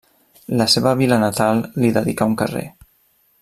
La seva vila natal li dedicà un carrer.